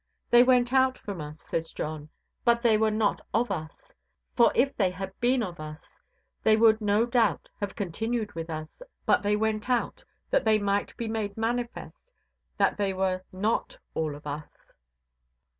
They went out from us, says John, but they were not of us; for if they had been of us they would no doubt have continued with us; but they went out that they might be made manifest that they were not all of us.